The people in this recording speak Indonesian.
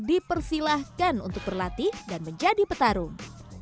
dipersilahkan untuk berlatih dan menjadi petarung